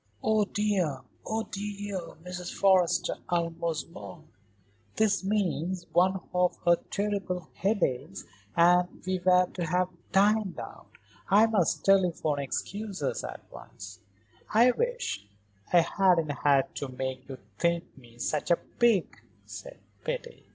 "Oh, dear! Oh, dear!" Mrs. Forrester almost moaned. "This means one of her terrible headaches and we were to have dined out. I must telephone excuses at once." "I wish I hadn't had to make you think me such a pig," said Betty.